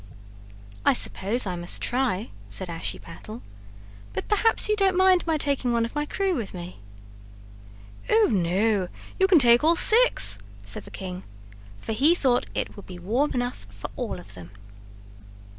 "I suppose I must try," said Ashiepattle; "but perhaps you don't mind my taking one of my crew with me?" "Oh, no, you can take all six," said the king, for he thought it would be warm enough for all of them.